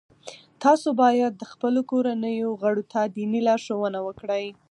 تاسو باید د خپلو کورنیو غړو ته دیني لارښوونه وکړئ.